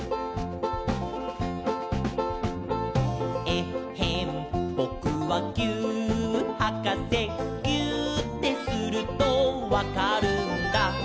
「えっへんぼくはぎゅーっはかせ」「ぎゅーってするとわかるんだ」